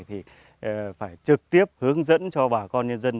thì phải trực tiếp hướng dẫn cho bà con nhân dân